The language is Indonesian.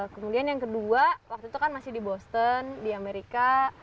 kemudian yang kedua waktu itu kan masih di boston di amerika